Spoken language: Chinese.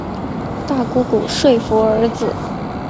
大姑姑说服儿子